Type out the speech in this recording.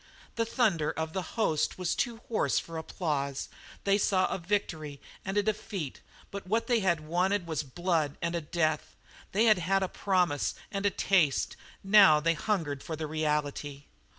The thunder of the host was too hoarse for applause; they saw a victory and a defeat but what they had wanted was blood, and a death. They had had a promise and a taste; now they hungered for the reality.